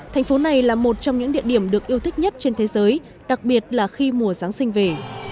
thành phố này là một trong những địa điểm được yêu thích nhất trên thế giới đặc biệt là khi mùa giáng sinh về